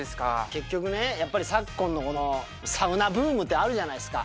結局ね、昨今のサウナブームって、あるじゃないですか。